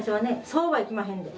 「そうはいきまへんで」。